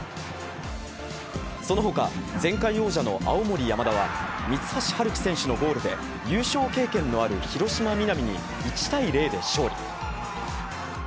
そのほか前回王者の青森山田は、三橋春希選手のゴールで、優勝経験のある広島皆実に１対０で勝利。